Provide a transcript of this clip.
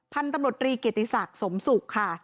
พันธุ์ตำรวจรีเกียรติศักดิ์สมศุกร์ค่ะ